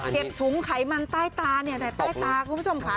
ถุงไขมันใต้ตาเนี่ยแต่ใต้ตาคุณผู้ชมค่ะ